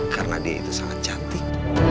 karena dia itu sangat cantik